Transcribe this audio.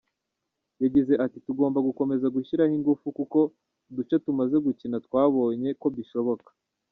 Yagize ati “Tugomba gukomeza gushyiramo ingufu kuko uduce tumaze gukina twabonye ko bishoboka.